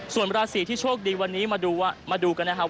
ส่วนราศีที่โชคดีวันนี้มาดูกันนะครับ